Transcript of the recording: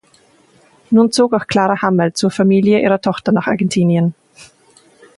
Nun zog auch Clara Hammerl zur Familie ihrer Tochter nach Argentinien.